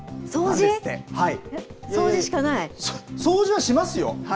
掃除はしますよ。